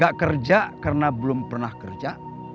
gak kerja karena belum pernah kerja